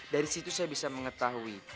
dari situ saya bisa mengetahui